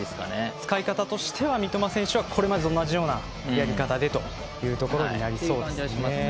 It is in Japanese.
使い方としては三笘選手はこれまでと同じようなやり方でということになりそうですね。